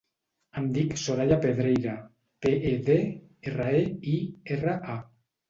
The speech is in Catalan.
Em dic Soraya Pedreira: pe, e, de, erra, e, i, erra, a.